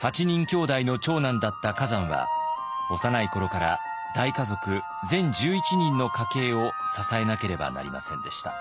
８人きょうだいの長男だった崋山は幼い頃から大家族全１１人の家計を支えなければなりませんでした。